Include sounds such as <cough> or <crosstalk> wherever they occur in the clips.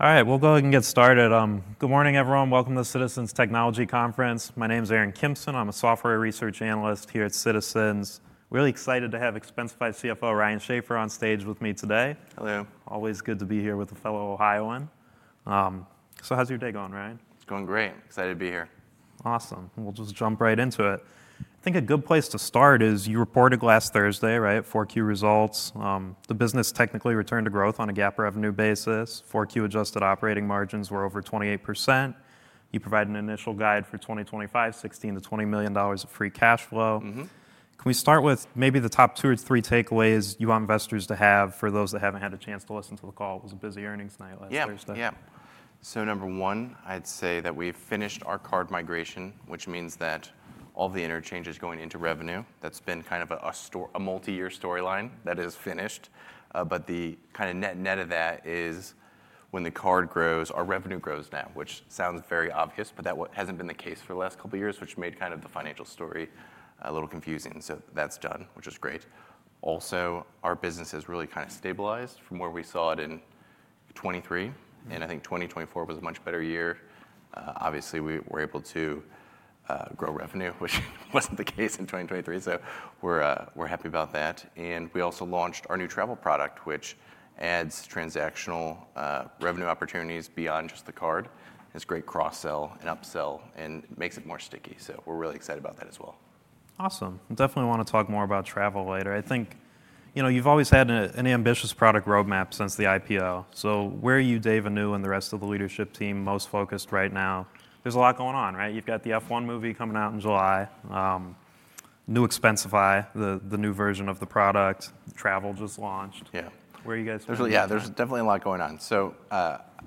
All right, we'll go ahead and get started. Good morning, everyone. Welcome to the Citizens Technology Conference. My name is Aaron Kimson. I'm a software research analyst here at Citizens. Really excited to have Expensify CFO Ryan Schaffer on stage with me today. Hello. Always good to be here with a fellow Ohioan. How's your day going, Ryan? Going great. Excited to be here. Awesome. We'll just jump right into it. I think a good place to start is you reported last Thursday, right, 4Q results. The business technically returned to growth on a GAAP revenue basis. 4Q adjusted operating margins were over 28%. You provided an initial guide for 2025, $16 million-$20 million of free cash flow. Can we start with maybe the top two or three takeaways you want investors to have for those that haven't had a chance to listen to the call? It was a busy earnings night last Thursday. Yeah. Number one, I'd say that we finished our card migration, which means that all the interchange is going into revenue. That's been kind of a multi-year storyline that is finished. The kind of net net of that is when the card grows, our revenue grows now, which sounds very obvious, but that hasn't been the case for the last couple of years, which made kind of the financial story a little confusing. That's done, which is great. Also, our business has really kind of stabilized from where we saw it in 2023. I think 2024 was a much better year. Obviously, we were able to grow revenue, which wasn't the case in 2023. We're happy about that. We also launched our new travel product, which adds transactional revenue opportunities beyond just the card. It's great cross-sell and upsell and makes it more sticky. We're really excited about that as well. Awesome. Definitely want to talk more about Travel later. I think you've always had an ambitious product roadmap since the IPO. Where are you, Dave, and you and the rest of the leadership team most focused right now? There's a lot going on, right? You've got the F1 movie coming out in July. New Expensify, the new version of the product. Travel just launched. Yeah. Where are you guys focused? Yeah, there's definitely a lot going on.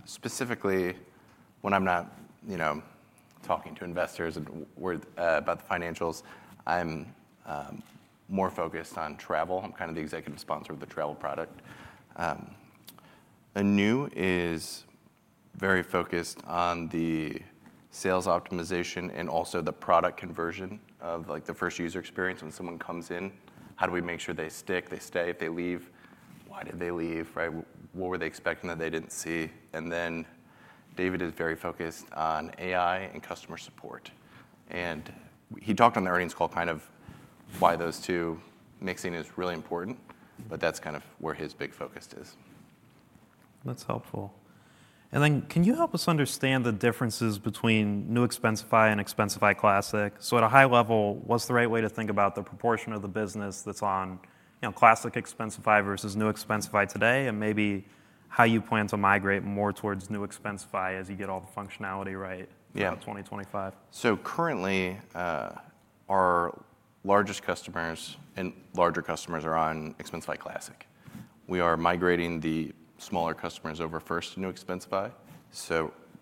Specifically, when I'm not talking to investors about the financials, I'm more focused on Travel. I'm kind of the executive sponsor of the travel product. The New is very focused on the sales optimization and also the product conversion of the first user experience. When someone comes in, how do we make sure they stick, they stay, they leave? Why did they leave? What were they expecting that they didn't see? David is very focused on AI and customer support. He talked on the earnings call kind of why those two mixing is really important, but that's kind of where his big focus is. That's helpful. Can you help us understand the differences between New Expensify and Expensify Classic? At a high level, what's the right way to think about the proportion of the business that's on Classic Expensify versus New Expensify today? Maybe how you plan to migrate more towards New Expensify as you get all the functionality right in 2025? Currently, our largest customers and larger customers are on Expensify Classic. We are migrating the smaller customers over first to New Expensify.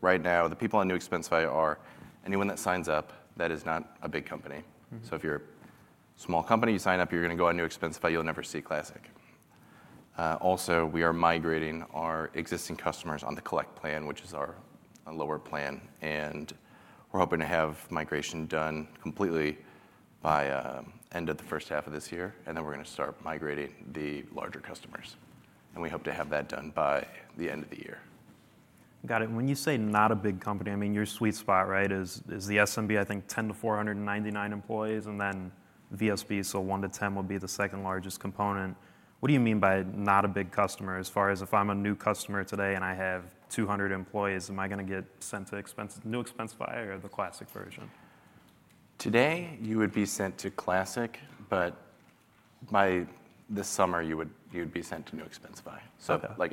Right now, the people on New Expensify are anyone that signs up that is not a big company. If you're a small company, you sign up, you're going to go on New Expensify, you'll never see Classic. Also, we are migrating our existing customers on the Collect plan, which is our lower plan. We are hoping to have migration done completely by the end of the first half of this year. We are going to start migrating the larger customers. We hope to have that done by the end of the year. Got it. When you say not a big company, I mean, your sweet spot, right, is the SMB, I think 10-499 employees, and then VSB, so 1-10 would be the second largest component. What do you mean by not a big customer as far as if I'm a new customer today and I have 200 employees, am I going to get sent to New Expensify or the Classic version? Today, you would be sent to Classic, but by this summer, you would be sent to New Expensify.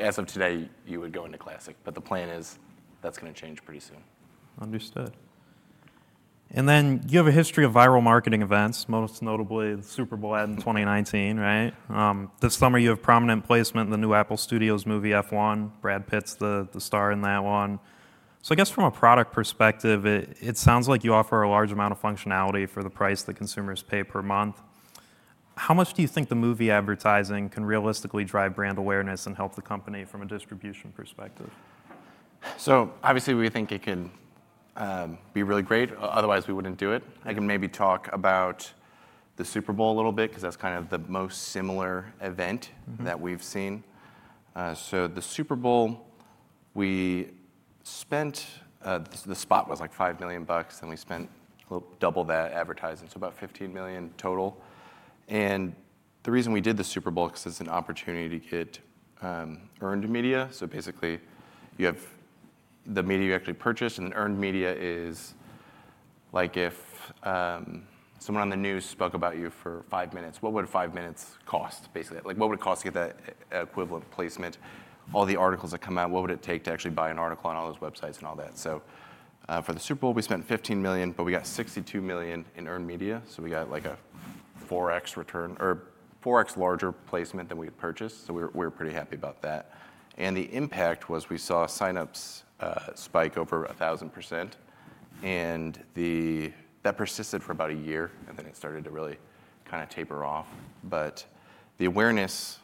As of today, you would go into Classic. The plan is that's going to change pretty soon. Understood. You have a history of viral marketing events, most notably the Super Bowl ad in 2019, right? This summer, you have prominent placement in the new Apple Studios movie F1. Brad Pitt's the star in that one. I guess from a product perspective, it sounds like you offer a large amount of functionality for the price that consumers pay per month. How much do you think the movie advertising can realistically drive brand awareness and help the company from a distribution perspective? Obviously, we think it can be really great. Otherwise, we wouldn't do it. I can maybe talk about the Super Bowl a little bit because that's kind of the most similar event that we've seen. The Super Bowl, we spent—the spot was like $5 million, and we spent double that advertising. So about $15 million total. The reason we did the Super Bowl is because it's an opportunity to get earned media. Basically, you have the media you actually purchased, and the earned media is like if someone on the news spoke about you for five minutes. What would five minutes cost, basically? What would it cost to get that equivalent placement? All the articles that come out, what would it take to actually buy an article on all those websites and all that? For the Super Bowl, we spent $15 million, but we got $62 million in earned media. We got like a 4x return or 4x larger placement than we had purchased. We were pretty happy about that. The impact was we saw sign-ups spike over 1,000%. That persisted for about a year, and then it started to really kind of taper off. The awareness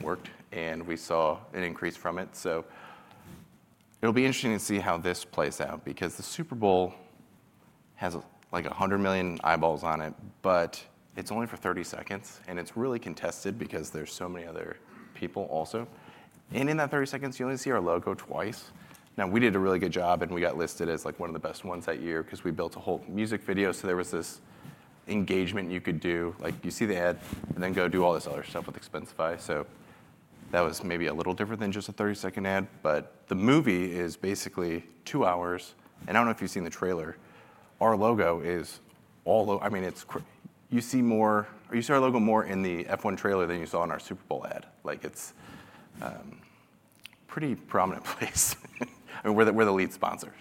worked, and we saw an increase from it. It will be interesting to see how this plays out because the Super Bowl has like 100 million eyeballs on it, but it is only for 30 seconds. It is really contested because there are so many other people also. In that 30 seconds, you only see our logo twice. Now, we did a really good job, and we got listed as one of the best ones that year because we built a whole music video. There was this engagement you could do. You see the ad and then go do all this other stuff with Expensify. That was maybe a little different than just a 30-second ad. The movie is basically two hours. I don't know if you've seen the trailer. Our logo is all, I mean, you see our logo more in the F1 trailer than you saw in our Super Bowl ad. It's a pretty prominent place. We're the lead sponsor.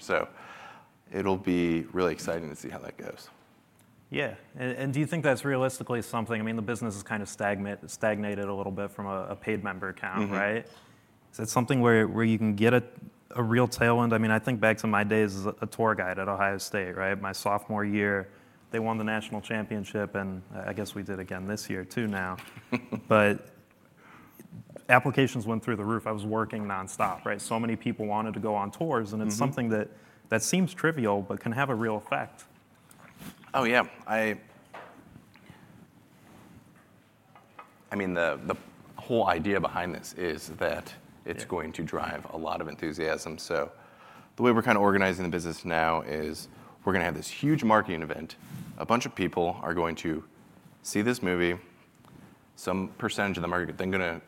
It'll be really exciting to see how that goes. Yeah. Do you think that's realistically something? I mean, the business has kind of stagnated a little bit from a paid member account, right? Is that something where you can get a real tailwind? I mean, I think back to my days as a tour guide at Ohio State, right? My sophomore year, they won the national championship, and I guess we did again this year too now. Applications went through the roof. I was working nonstop, right? So many people wanted to go on tours. It is something that seems trivial but can have a real effect. Oh, yeah. I mean, the whole idea behind this is that it's going to drive a lot of enthusiasm. The way we're kind of organizing the business now is we're going to have this huge marketing event. A bunch of people are going to see this movie. Some percentage of the market, they're going to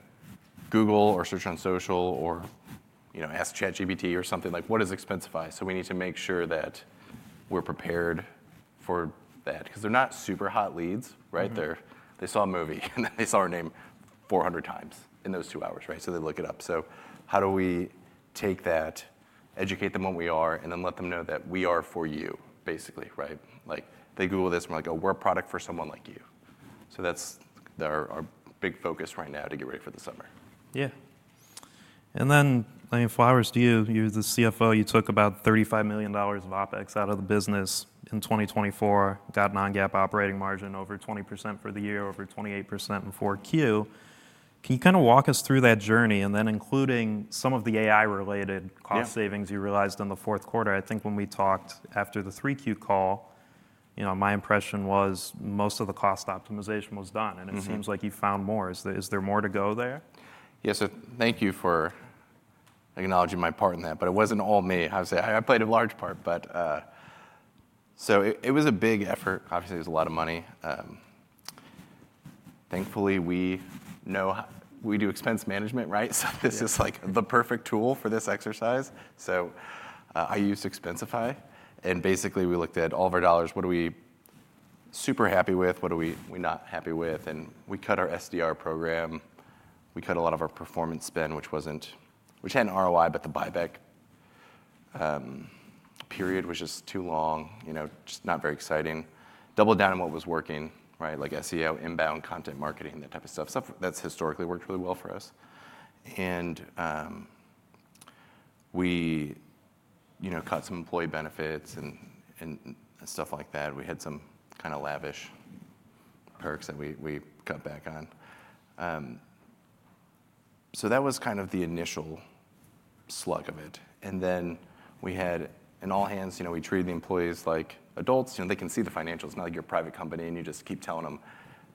Google or search on social or ask ChatGPT or something like, "What is Expensify?" We need to make sure that we're prepared for that because they're not super hot leads, right? They saw a movie, and they saw our name 400 times in those two hours, right? They look it up. How do we take that, educate them what we are, and then let them know that we are for you, basically, right? They Google this and we're like, "Oh, we're a product for someone like you." That is our big focus right now to get ready for the summer. Yeah. And then for ours, you, you're the CFO. You took about $35 million of OpEx out of the business in 2024, got a non-GAAP operating margin over 20% for the year, over 28% in 4Q. Can you kind of walk us through that journey? And then including some of the AI-related cost savings you realized in the fourth quarter. I think when we talked after the 3Q call, my impression was most of the cost optimization was done. And it seems like you found more. Is there more to go there? Yes. Thank you for acknowledging my part in that. It was not all me. I played a large part. It was a big effort. Obviously, there is a lot of money. Thankfully, we do expense management, right? This is like the perfect tool for this exercise. I used Expensify. Basically, we looked at all of our dollars. What are we super happy with? What are we not happy with? We cut our SDR program. We cut a lot of our performance spend, which had an ROI, but the buyback period was just too long, just not very exciting. Doubled down on what was working, right? Like SEO, inbound content marketing, that type of stuff. Stuff that has historically worked really well for us. We cut some employee benefits and stuff like that. We had some kind of lavish perks that we cut back on. That was kind of the initial slug of it. We had an all hands, we treated the employees like adults. They can see the financials. Now you're a private company, and you just keep telling them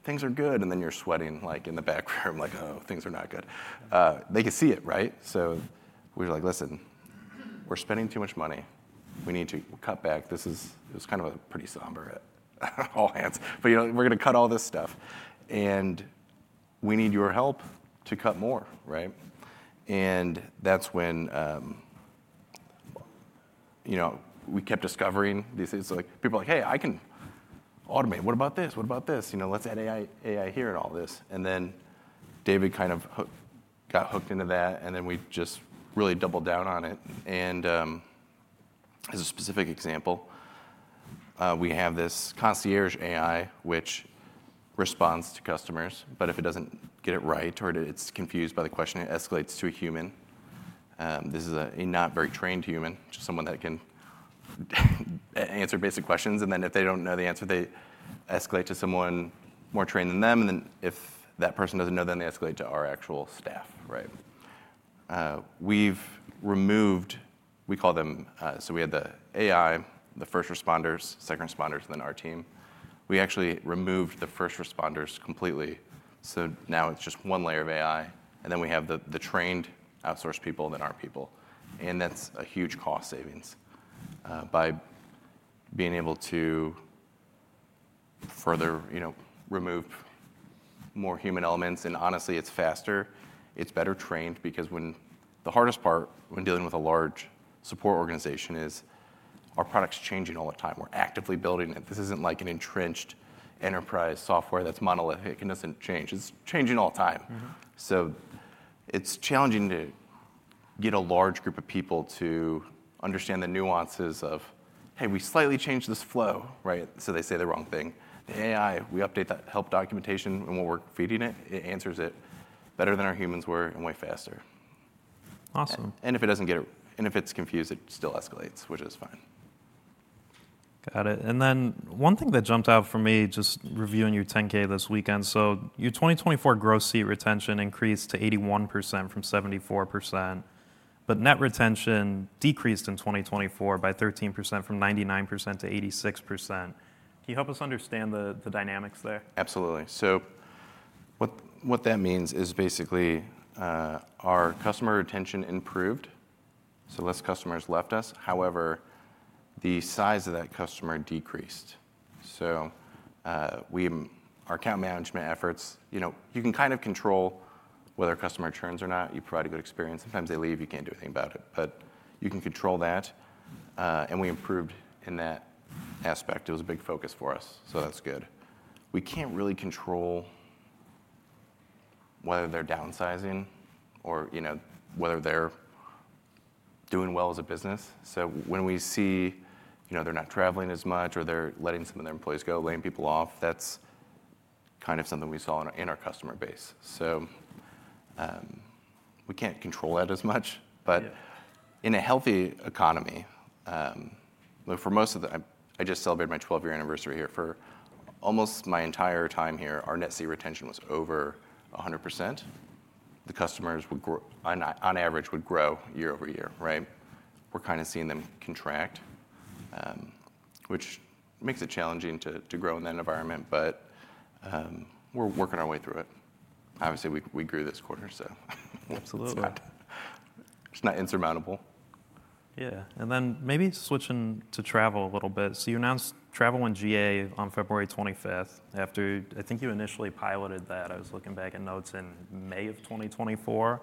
things are good. You are sweating in the back room like, "Oh, things are not good." They can see it, right? We were like, "Listen, we're spending too much money. We need to cut back." This was kind of a pretty somber all hands. We are going to cut all this stuff. We need your help to cut more, right? That is when we kept discovering these things. People are like, "Hey, I can automate. What about this? What about this? Let's add AI here and all this." David kind of got hooked into that. We just really doubled down on it. As a specific example, we have this Concierge AI, which responds to customers. If it does not get it right or it is confused by the question, it escalates to a human. This is a not very trained human, just someone that can answer basic questions. If they do not know the answer, they escalate to someone more trained than them. If that person does not know, then they escalate to our actual staff, right? We have removed, we call them, so we had the AI, the first responders, second responders, and then our team. We actually removed the first responders completely. Now it is just one layer of AI. Then we have the trained outsourced people, then our people. That is a huge cost savings by being able to further remove more human elements. Honestly, it is faster. It's better trained because the hardest part when dealing with a large support organization is our product's changing all the time. We're actively building it. This isn't like an entrenched enterprise software that's monolithic and doesn't change. It's changing all the time. It's challenging to get a large group of people to understand the nuances of, "Hey, we slightly changed this flow," right? They say the wrong thing. The AI, we update that help documentation when we're feeding it. It answers it better than our humans were and way faster. Awesome. If it doesn't get it, and if it's confused, it still escalates, which is fine. Got it. One thing that jumped out for me just reviewing your 10-K this weekend. Your 2024 gross seat retention increased to 81% from 74%. Net retention decreased in 2024 by 13% from 99%-86%. Can you help us understand the dynamics there? Absolutely. What that means is basically our customer retention improved. Less customers left us. However, the size of that customer decreased. Our account management efforts, you can kind of control whether a customer returns or not. You provide a good experience. Sometimes they leave. You cannot do anything about it. You can control that. We improved in that aspect. It was a big focus for us. That is good. We cannot really control whether they are downsizing or whether they are doing well as a business. When we see they are not traveling as much or they are letting some of their employees go, laying people off, that is kind of something we saw in our customer base. We cannot control that as much. In a healthy economy, for most of the, I just celebrated my 12-year anniversary here. For almost my entire time here, our net seat retention was over 100%. The customers, on average, would grow year-over-year, right? We are kind of seeing them contract, which makes it challenging to grow in that environment. We are working our way through it. Obviously, we grew this quarter. Absolutely. It's not insurmountable. Yeah. Maybe switching to Travel a little bit. You announced Travel and GA on February 25th. I think you initially piloted that. I was looking back at notes in May of 2024.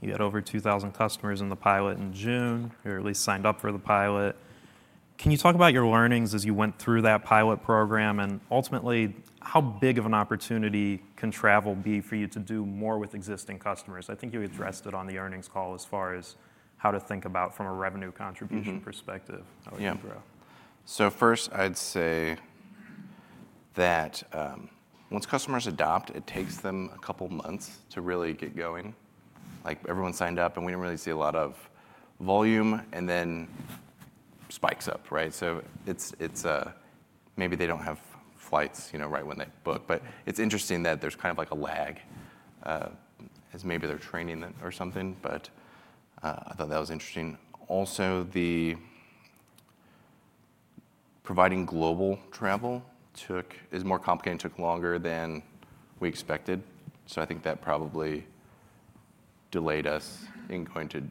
You had over 2,000 customers in the pilot in June. You were at least signed up for the pilot. Can you talk about your learnings as you went through that pilot program? Ultimately, how big of an opportunity can Travel be for you to do more with existing customers? I think you addressed it on the earnings call as far as how to think about from a revenue contribution perspective how it can grow. Yeah. First, I'd say that once customers adopt, it takes them a couple of months to really get going. Everyone signed up, and we didn't really see a lot of volume. Then it spikes up, right? Maybe they don't have flights right when they book. It's interesting that there's kind of like a lag as maybe they're training or something. I thought that was interesting. Also, providing global travel is more complicated and took longer than we expected. I think that probably delayed us in going to,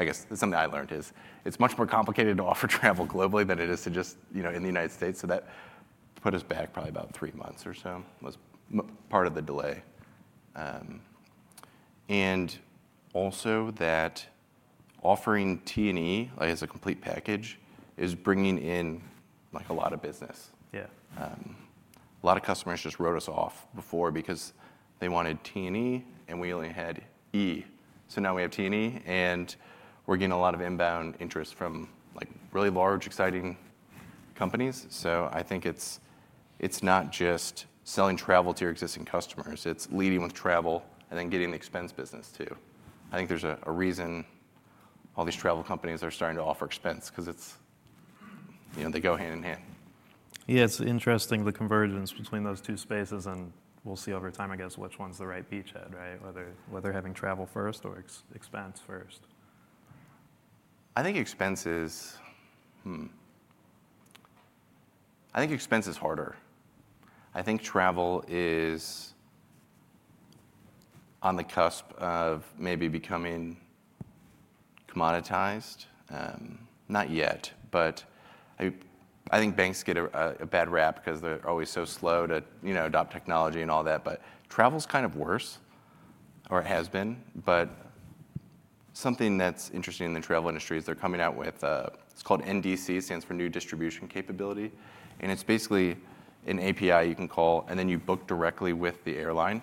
I guess, something I learned is it's much more complicated to offer travel globally than it is just in the United States. That put us back probably about three months or so as part of the delay. Also, offering T&E as a complete package is bringing in a lot of business. A lot of customers just wrote us off before because they wanted T&E, and we only had E. Now we have T&E, and we're getting a lot of inbound interest from really large, exciting companies. I think it's not just selling travel to your existing customers. It's leading with travel and then getting the expense business too. I think there's a reason all these travel companies are starting to offer expense because they go hand in hand. Yeah. It's interesting, the convergence between those two spaces. We'll see over time, I guess, which one's the right beachhead, right? Whether having travel first or expense first. I think expense is harder. I think travel is on the cusp of maybe becoming commoditized. Not yet. I think banks get a bad rap because they're always so slow to adopt technology and all that. Travel's kind of worse, or it has been. Something that's interesting in the travel industry is they're coming out with, it's called NDC, stands for New Distribution Capability. It's basically an API you can call, and then you book directly with the airline.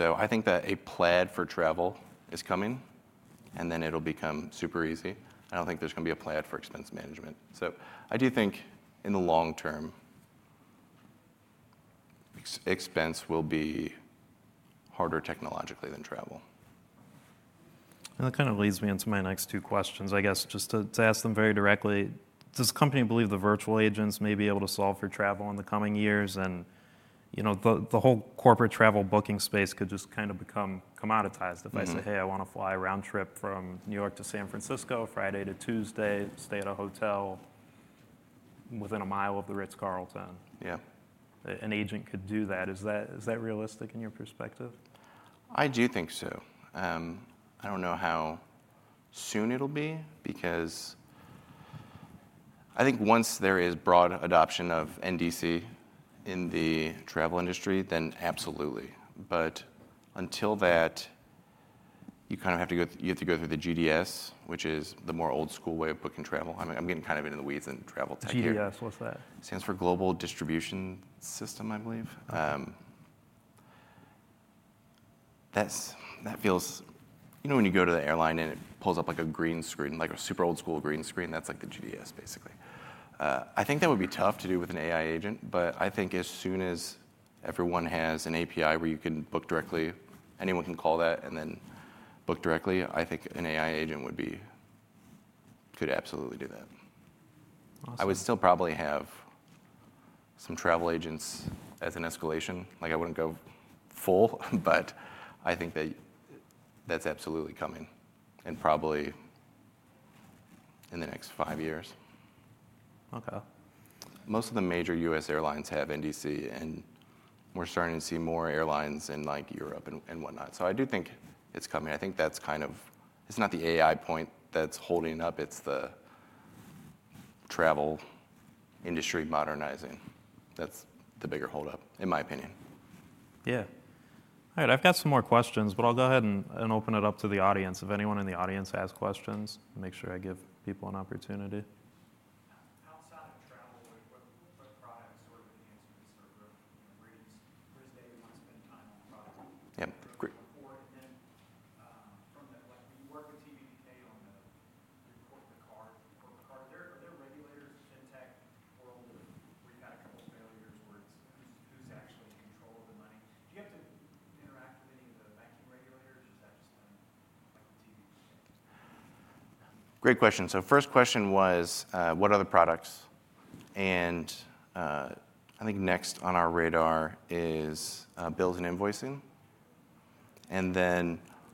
I think that a Plaid for travel is coming, and then it'll become super easy. I don't think there's going to be a Plaid for expense management. I do think in the long term, expense will be harder technologically than travel. That kind of leads me into my next two questions, I guess, just to ask them very directly. Does the company believe the virtual agents may be able to solve for travel in the coming years? The whole corporate travel booking space could just kind of become commoditized if I say, "Hey, I want to fly a round trip from New York to San Francisco, Friday to Tuesday, stay at a hotel within a mile of the Ritz-Carlton. Yeah. An agent could do that. Is that realistic in your perspective? I do think so. I don't know how soon it'll be because I think once there is broad adoption of NDC in the travel industry, then absolutely. Until that, you kind of have to go through the GDS, which is the more old-school way of booking travel. I'm getting kind of into the weeds in travel tech here. GDS, what's that? Stands for Global Distribution System, I believe. That feels, you know, when you go to the airline and it pulls up like a green screen, like a super old-school green screen, that's like the GDS, basically. I think that would be tough to do with an AI agent. I think as soon as everyone has an API where you can book directly, anyone can call that and then book directly, I think an AI agent could absolutely do that. I would still probably have some travel agents as an escalation. I would not go full, but I think that that's absolutely coming and probably in the next five years. Okay. Most of the major U.S. airlines have NDC, and we're starting to see more airlines in Europe and whatnot. I do think it's coming. I think that's kind of, it's not the AI point that's holding up. It's the travel industry modernizing. That's the bigger holdup, in my opinion. Yeah. All right. I've got some more questions, but I'll go ahead and open it up to the audience. If anyone in the audience has questions, make sure I give people an opportunity. Outside of travel, what products sort of enhance your sort of readings? What is the way you want to spend time on products? Yeah. Great. From that, like when you work with <audio distortion> on the report, the card, the corporate card, are there regulators in the fintech world where you've had a couple of failures where it's who's actually in control of the money? Do you have to interact with any of the banking regulators? Or is that just like? <audio distortion> Great question. First question was, what other products? I think next on our radar is Bills and Invoicing.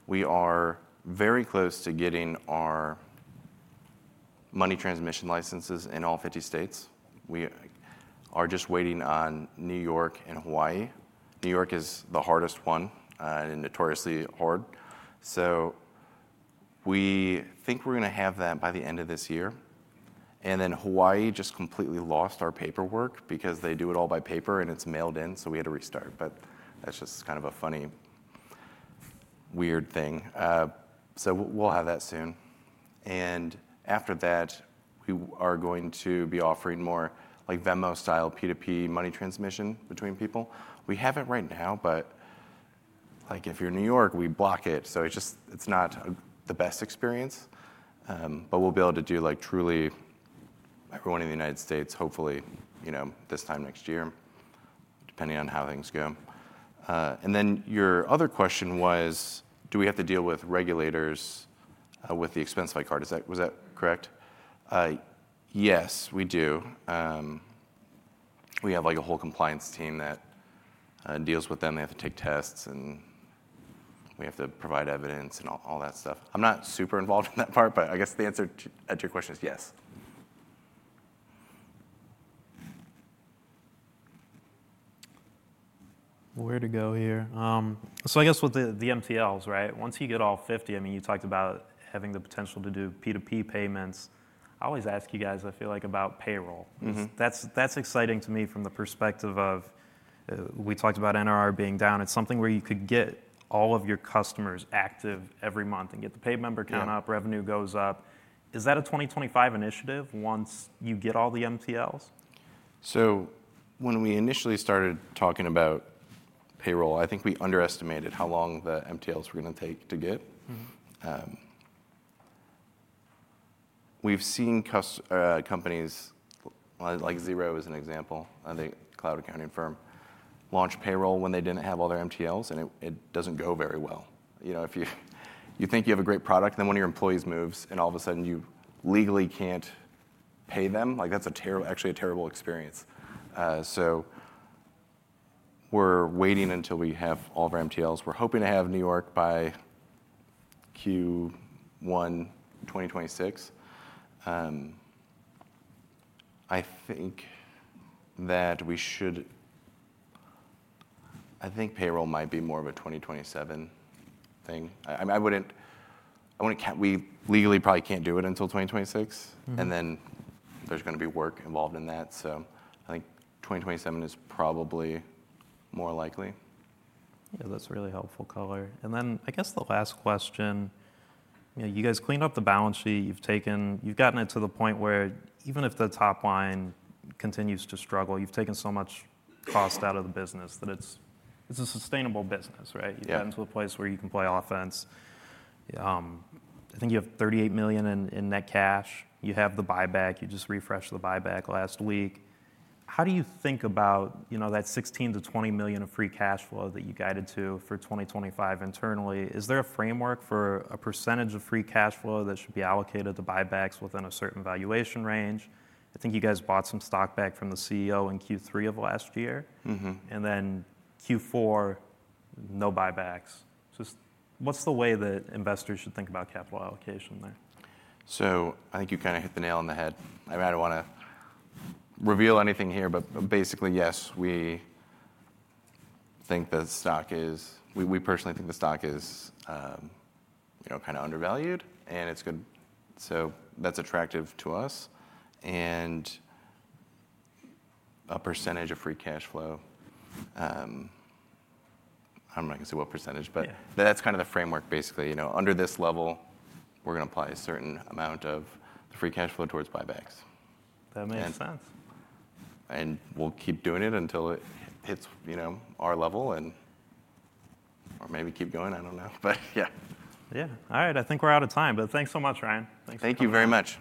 We are very close to getting our money transmission licenses in all 50 states. We are just waiting on New York and Hawaii. New York is the hardest one and notoriously hard. We think we're going to have that by the end of this year. Hawaii just completely lost our paperwork because they do it all by paper and it's mailed in. We had to restart. That's just kind of a funny, weird thing. We'll have that soon. After that, we are going to be offering more like Venmo-style P2P money transmission between people. We have it right now, but if you're in New York, we block it. It's not the best experience. We will be able to do like truly everyone in the United States, hopefully this time next year, depending on how things go. Your other question was, do we have to deal with regulators with the Expensify Card? Was that correct? Yes, we do. We have like a whole compliance team that deals with them. They have to take tests, and we have to provide evidence and all that stuff. I'm not super involved in that part, but I guess the answer to your question is yes. Where to go here? I guess with the MTLs, right? Once you get all 50, I mean, you talked about having the potential to do P2P payments. I always ask you guys, I feel like, about payroll. That's exciting to me from the perspective of we talked about NRR being down. It's something where you could get all of your customers active every month and get the pay member count up. Revenue goes up. Is that a 2025 initiative once you get all the MTLs? When we initially started talking about payroll, I think we underestimated how long the MTLs were going to take to get. We've seen companies, like Xero is an example, a cloud accounting firm, launch payroll when they didn't have all their MTLs, and it doesn't go very well. You think you have a great product, and then one of your employees moves, and all of a sudden you legally can't pay them. That's actually a terrible experience. We're waiting until we have all of our MTLs. We're hoping to have New York by Q1 2026. I think that we should, I think payroll might be more of a 2027 thing. I mean, we legally probably can't do it until 2026. There is going to be work involved in that. I think 2027 is probably more likely. Yeah. That's really helpful, color. I guess the last question, you guys cleaned up the balance sheet. You've gotten it to the point where even if the top line continues to struggle, you've taken so much cost out of the business that it's a sustainable business, right? You've gotten to a place where you can play offense. I think you have $38 million in net cash. You have the buyback. You just refreshed the buyback last week. How do you think about that $16 million-$20 million of free cash flow that you guided to for 2025 internally? Is there a framework for a percentage of free cash flow that should be allocated to buybacks within a certain valuation range? I think you guys bought some stock back from the CEO in Q3 of last year. Q4, no buybacks. Just what's the way that investors should think about capital allocation there? I think you kind of hit the nail on the head. I do not want to reveal anything here, but basically, yes, we think the stock is, we personally think the stock is kind of undervalued, and it is good. That is attractive to us. A percentage of free cash flow, I am not going to say what percentage, but that is kind of the framework, basically. Under this level, we are going to apply a certain amount of the free cash flow towards buybacks. That makes sense. We will keep doing it until it hits our level or maybe keep going. I do not know, but yeah. Yeah. All right. I think we're out of time, but thanks so much, Ryan. Thanks for coming. Thank you very much.